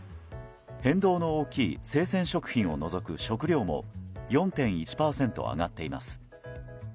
変動の大きい生鮮食品を除く食料も４．１％上がっています。